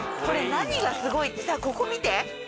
これ何がすごいってここ見て。